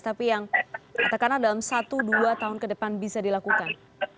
tapi yang katakanlah dalam satu dua tahun ke depan bisa dilakukan